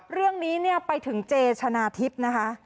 เรื่องนี้เนี่ยไปถึงเจชนะทิพย์นะคะ